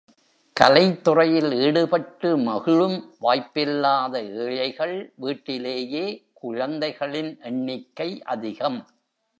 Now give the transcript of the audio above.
கலைத்துறையில் ஈடுபட்டு மகிழும் வாய்ப்பில்லாத ஏழைகள் வீட்டிலேயே குழந்தைகளின் எண்ணிக்கை அதிகம்.